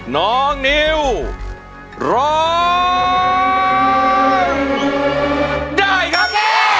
น้องนิวร้องได้ครับ